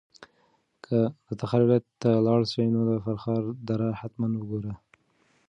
که د تخار ولایت ته لاړ شې نو د فرخار دره حتماً وګوره.